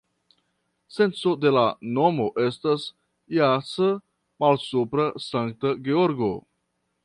Senco de la nomo estas jasa-malsupra-Sankta-Georgo.